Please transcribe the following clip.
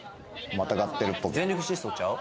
またがってるっぽく全力疾走ちゃう？